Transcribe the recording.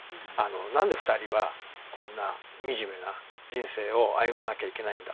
何で２人はこんな惨めな人生を歩まなきゃいけないんだ。